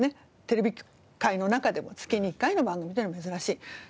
テレビ界の中でも月に１回の番組というのは珍しい。